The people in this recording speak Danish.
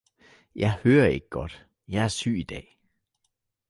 Jeg hører ikke godt, jeg er syg i dag.